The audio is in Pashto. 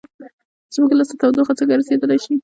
زموږ لاس ته تودوخه څنګه رسیدلې ده؟